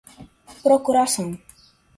procuração